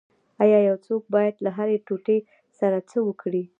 ایا یو څوک باید له هرې ټوټې سره څه وکړي